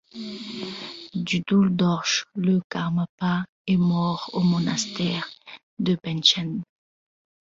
Dudul Dorje, le karmapa, est mort au monastère de Benchen.